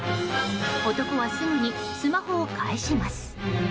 男はすぐにスマホを返します。